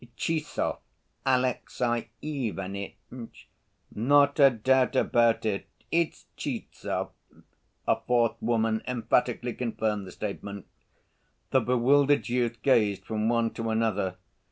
Tchizhov, Alexey Ivanitch." "Not a doubt about it, it's Tchizhov," a fourth woman emphatically confirmed the statement. The bewildered youth gazed from one to another.